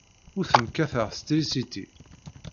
Ur ten-kkateɣ s trisiti.